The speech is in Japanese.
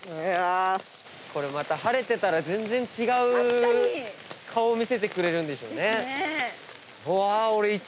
晴れてたら全然違う顔を見せてくれるんでしょうね。